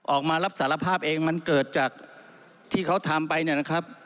ออกมารับสารภาพเองมันเกิดจากที่เขาทำไปเนี่ยนะครับ